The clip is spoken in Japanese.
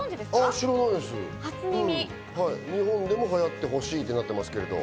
日本でも流行ってほしいってなってますけど。